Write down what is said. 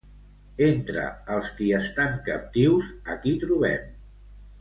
Entre els qui estan captius, a qui trobem?